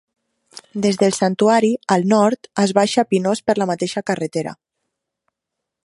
Des del Santuari, al nord, es baixa a Pinós per la mateixa carretera.